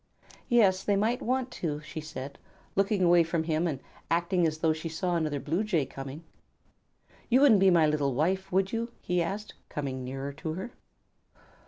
"Yes, they might want to," she said, looking away from him and acting as though she saw another Blue Jay coming. "You wouldn't be my little wife, would you?" he asked, coming nearer to her.